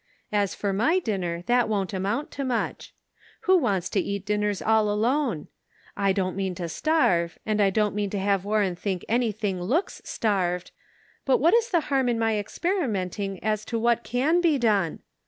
As for my dinner that won't amount to much. Who wants to eat dinners all alone ? I don't mean to starve, and I don't mean to have Warren think anything looks starved, but what is the harm in my experimenting as to what can be done